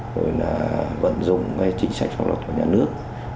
rồi là vận dụng cái chính sách hoạt động của nhà nước